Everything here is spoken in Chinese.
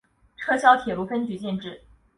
撤销铁路分局建制。